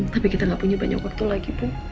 saya harus kembali ke rumah